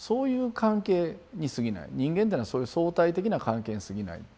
人間っていうのはそういう相対的な関係にすぎない。